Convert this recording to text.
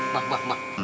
mak mak mak